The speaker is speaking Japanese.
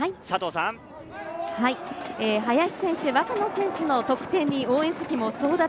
林選手、若野選手の得点に応援席も総立ち。